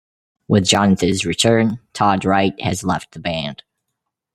With Jonathan's return, Todd Wright has left the band.